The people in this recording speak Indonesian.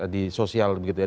di sosial begitu ya